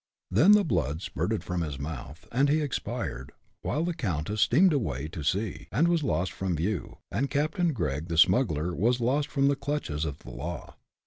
Then the blood spurted from his mouth, and he expired, while the "Countess" steamed away to sea, and was lost from view, and Captain Gregg the smuggler was lost from the clutches of the law.